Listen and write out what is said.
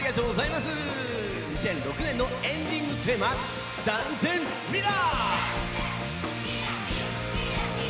２００６年のエンディングテーマ「ダンゼン！未来」。